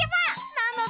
なのだ！